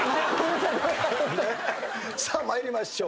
さあ参りましょう。